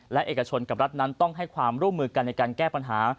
และเอกชนกับรัฐนั้นต้องให้ความร่วมมือกันในการแก้ปัญหา